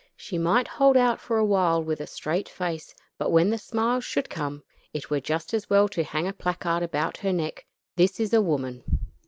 She might hold out for a while with a straight face, but when the smiles should come it were just as well to hang a placard about her neck: "This is a woman."